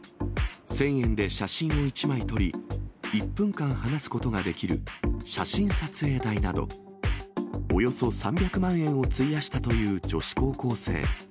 １０００円で写真を１枚撮り、１分間話すことができる写真撮影代など、およそ３００万円を費やしたという女子高生。